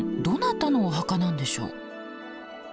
どなたのお墓なんでしょう？